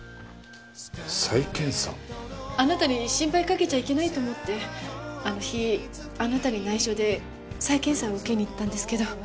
あなたに心配かけちゃいけないと思ってあの日あなたに内緒で再検査を受けに行ったんですけど。